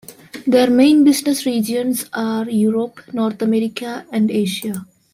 Their main business regions are Europe, North America and Asia.